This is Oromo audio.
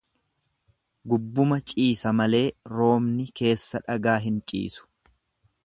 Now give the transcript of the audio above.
Gubbuma ciisa malee roobni keessa dhagaa hin ciisu.